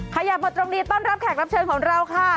ขยับมาตรงนี้ต้อนรับแขกรับเชิญของเราค่ะ